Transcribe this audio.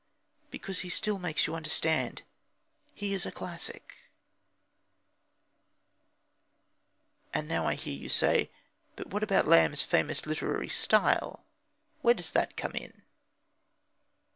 Because he still makes you understand he is a classic. And now I seem to hear you say, "But what about Lamb's famous literary style? Where does that come in?"